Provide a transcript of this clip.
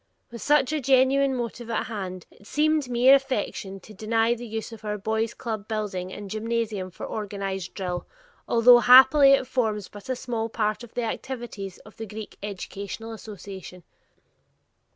With such a genuine motive at hand, it seemed mere affectation to deny the use of our boys' club building and gymnasium for organized drill, although happily it forms but a small part of the activities of the Greek Educational Association.